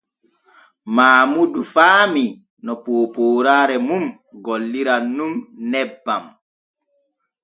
Maamudu faamii no poopooraare mum golliran nun nebban.